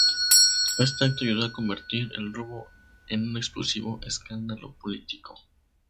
Este acto ayudó a convertir el robo en un explosivo escándalo político.